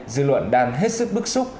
dư luận đang hết sức bức xúc